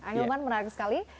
ayn ilman menarik sekali